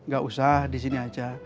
gak usah disini aja